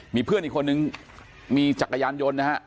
มีเพื่อนอีกคนนึงมีจักรยานยนต์นะฮะ